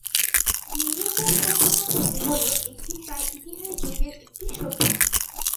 মেহেরগড় সভ্যতা হল একটি প্রায়-ইতিহাস যুগের একটি সভ্যতা।